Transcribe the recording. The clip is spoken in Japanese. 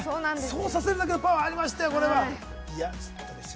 そうさせるだけのパワーがありましたよ。